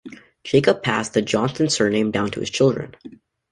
Jacob passed the Johnson surname down to his children.